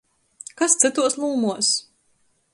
Kas cytuos lūmuos?